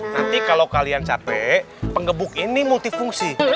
nanti kalau kalian capek pengebuk ini multifungsi